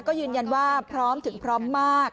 ก็ยืนยันว่าพร้อมถึงพร้อมมาก